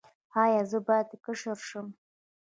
ایا زه باید کشر شم؟